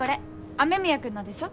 雨宮くんのでしょ。